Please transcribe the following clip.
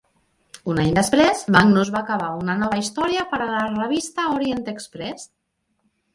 Un any després, Magnus va acabar una nova història per a la revista Orient Express.